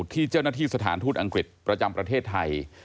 ที่เจ้าหน้าที่สถานทูตอังกฤษประจำประเทศไทย